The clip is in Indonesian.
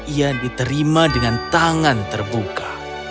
ia diterima dengan tangan terbuka